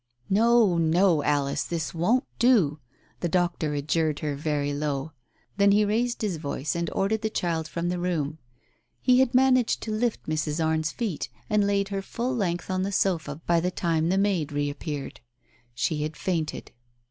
"No, no, Alice, this won't do !" the doctor adjured her very low. Then he raised his voice and ordered the child from the room. He had managed to lift Mrs. Arne's feet and laid her full length on the sofa by the time the maid reappeared. She had fainted.